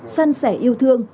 săn sẻ yêu thương